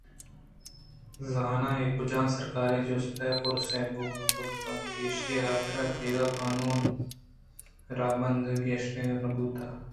زاناں اے کجام سرکاری جست ءُپرسے بوتگ کہ ایشی ءِ حاترا دگہ قانودءُرَہبندے گشّینگ بوتیں اَنت